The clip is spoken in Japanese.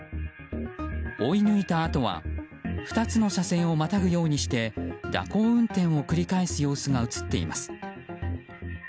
追い抜いたあとは２つの車線をまたぐようにして蛇行運転を繰り返す様子が映っています。